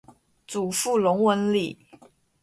祖父龚文礼。